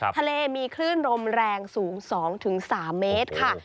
ทะเลมีคลื่นลมแรงสูง๒๓เมตรค่ะ